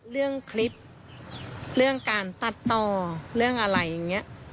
เรื่องคลิปเรื่องการตัดต่อเรื่องอะไรอย่างนี้